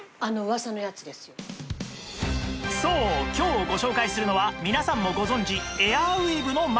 そう今日ご紹介するのは皆さんもご存じ